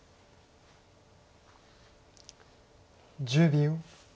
１０秒。